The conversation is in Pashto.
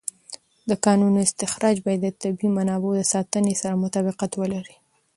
د کانونو استخراج باید د طبیعي منابعو د ساتنې سره مطابقت ولري.